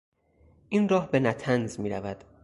این راه به نطنز میرود.